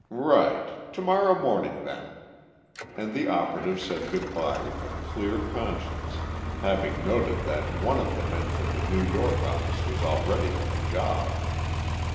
"Right to morrow morning, then," and the operative said good by with a clear conscience, having noted that one of the men from the New York office was already on the job.